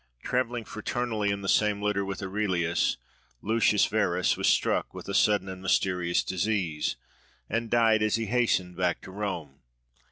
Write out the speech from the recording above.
Travelling fraternally in the same litter with Aurelius, Lucius Verus was struck with sudden and mysterious disease, and died as he hastened back to Rome.